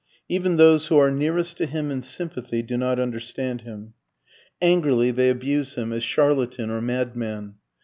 Even those who are nearest to him in sympathy do not understand him. Angrily they abuse him as charlatan or madman.